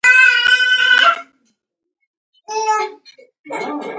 انګلیسي د ذهني ودې انجن دی